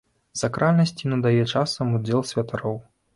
Сакральнасць ім надае часам удзел святароў.